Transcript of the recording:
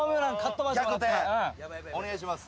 お願いします。